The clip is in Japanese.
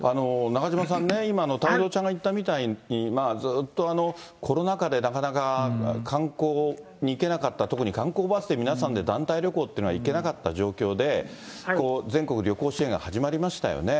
中島さんね、今、太蔵ちゃんが言ったみたいに、ずっとコロナ禍でなかなか観光に行けなかった、特に観光バスで皆さんで団体旅行というのは行けなかった状況で、全国旅行支援が始まりましたよね。